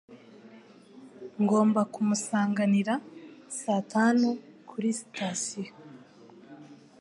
Ngomba kumusanganira saa tanu kuri sitasiyo.